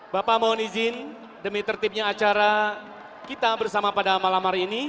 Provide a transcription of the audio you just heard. bapak mohon izin demi tertibnya acara kita bersama pada malam hari ini